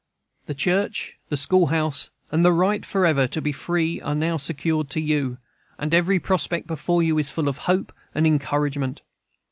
The church, the school house, and the right forever to be free are now secured to you, and every prospect before you is full of hope and encouragement.